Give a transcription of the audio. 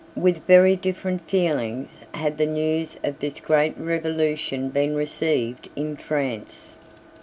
With very different feelings had the news of this great revolution been received in France.